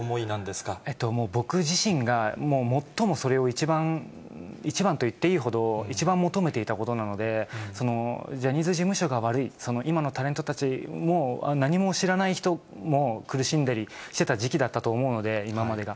もう僕自身が、もう最もそれを一番、一番と言っていいほど、一番求めていたことなので、ジャニーズ事務所が悪い、今のタレントたちも何も知らない人も苦しんだりしてた時期だったと思うので、今までが。